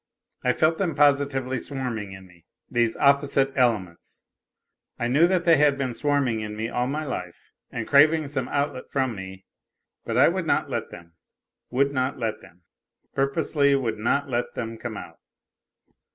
I felt them positively swarming in me, these opposite elements. I knew that they had been swarming in me all my life and craving some outlet from me, but I would not let them, would not let them, purposely would not let them come out.